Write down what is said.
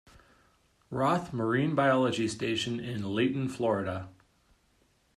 Roth Marine Biology Station in Layton, Florida.